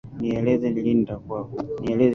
nieleze ni lini nitakuwa huru